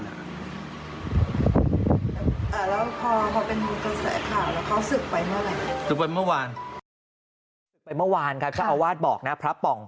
ไปเมื่อวานครับเจ้าอาวาสบอกนะพระป่อง